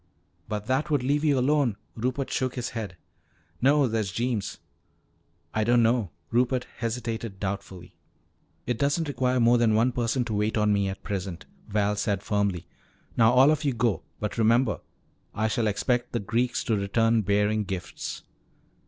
"But that would leave you alone." Rupert shook his head. "No. There's Jeems." "I don't know," Rupert hesitated doubtfully. "It doesn't require more than one person to wait on me at present," Val said firmly. "Now all of you go. But remember, I shall expect the Greeks to return bearing gifts."